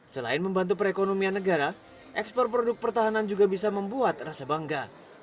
selain membantu perekonomian negara ekspor produk pertahanan juga bisa membuat rasa bangga